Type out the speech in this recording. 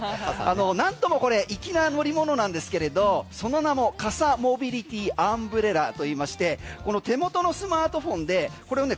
何ともこれいきな乗り物なんですけれどその名も傘モビリティ＆ｂｒｅｌｌａといいましてこの手元のスマートフォンでこれをね